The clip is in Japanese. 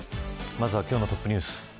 まずはトップニュース。